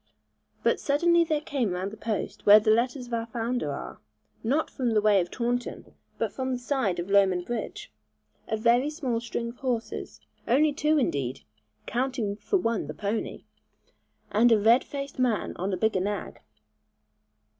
But suddenly there came round the post where the letters of our founder are, not from the way of Taunton but from the side of Lowman bridge, a very small string of horses, only two indeed (counting for one the pony), and a red faced man on the bigger nag.